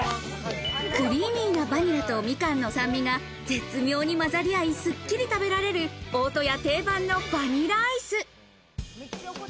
クリーミーなバニラと、みかんの酸味が絶妙にまざり合い、すっきり食べられる大戸屋定番のバニラアイス。